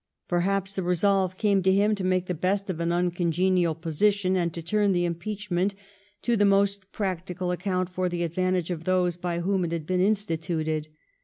Perhaps the resolve came to him to make the best of an uncongenial position, and to turn the impeach ment to the most practical account for the advantage of those by whom it had been instituted.